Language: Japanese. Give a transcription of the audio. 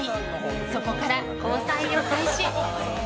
そこから交際を開始。